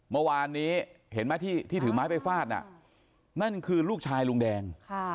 เมื่อวานนี้เห็นไหมที่ถือไม้ไปฟาดน่ะนั่นคือลูกชายลุงแดง